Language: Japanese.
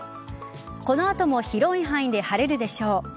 この後も広い範囲で晴れるでしょう。